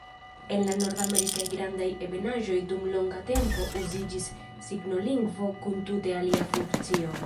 En la Nordamerikaj Grandaj Ebenaĵoj dum longa tempo uziĝis signolingvo kun tute alia funkcio.